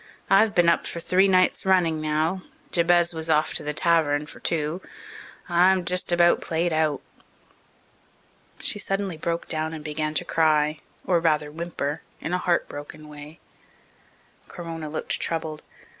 I've been up for three nights running now. Jabez was off to the tavern for two. I'm just about played out." She suddenly broke down and began to cry, or rather whimper, in a heart broken way. Corona looked troubled.